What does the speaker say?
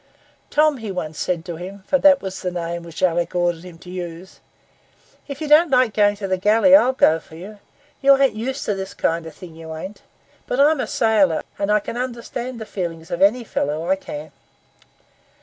'Tom,' he once said to him, for that was the name which Alick ordered him to use, 'if you don't like going to the galley, I'll go for you. You ain't used to this kind of thing, you ain't. But I'm a sailor; and I can understand the feelings of any fellow, I can.